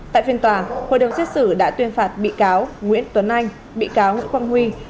tại phiên tòa hội đồng xét xử đã tuyên phạt bị cáo nguyễn tuấn anh bị cáo nguyễn quang huy